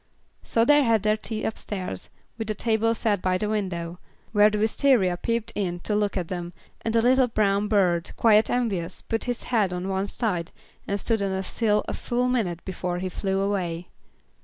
So they had their tea upstairs, with the table set by the window, where the wistaria peeped in to look at them, and a little brown bird, quite envious, put his head on one side, and stood on the sill a full minute before he flew away.